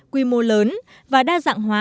quy mô lớn và đa dạng hóa